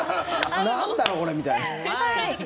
なんだろうこれ、みたいな。